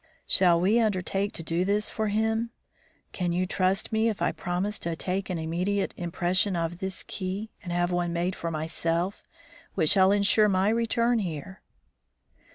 Shall we undertake to do his for him? Can you trust me if I promise to take an immediate impression of this key, and have one made for myself, which shall insure my return here?"